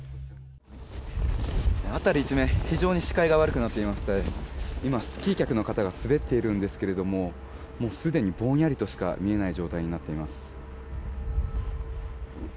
辺り一面非常に視界が悪くなっていまして今、スキー客の方が滑っているんですがすでにぼんやりとしか見えない状態になっています。